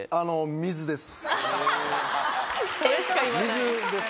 水です。